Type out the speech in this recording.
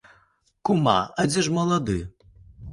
Кума, а дзе ж малады?